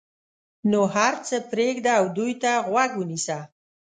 نو هر څه پرېږده او دوی ته غوږ ونیسه.